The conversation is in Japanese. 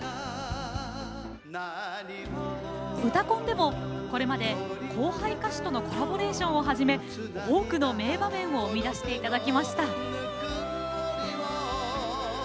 「うたコン」でもこれまで後輩歌手とのコラボレーションをはじめ多くの名場面を生み出していただきました。